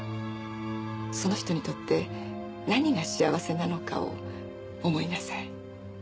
その人にとって何が幸せなのかを思いなさい。